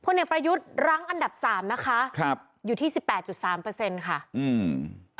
เด็กประยุทธ์รั้งอันดับสามนะคะครับอยู่ที่สิบแปดจุดสามเปอร์เซ็นต์ค่ะอืม